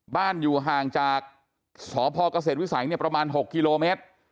บ้านอยู่ห่างจากสพเกษตรวิสัยประมาณ๖กิโลเมตร